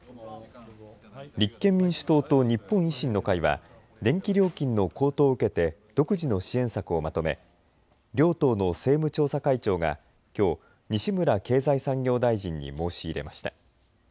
立憲民主党と日本維新の会は電気料金の高騰を受けて独自の支援策をまとめ両党の政務調査会長がきょう、西村経済産業大臣に申し入れました。